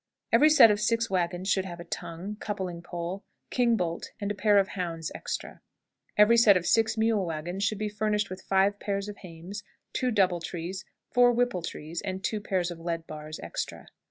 Every set of six wagons should have a tongue, coupling pole, king bolt, and pair of hounds extra. Every set of six mule wagons should be furnished with five pairs of hames, two double trees, four whipple trees, and two pairs of lead bars extra.